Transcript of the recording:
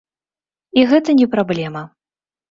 І гэта не праблема.